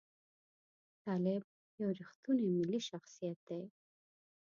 طالب یو ریښتونی ملي شخصیت دی.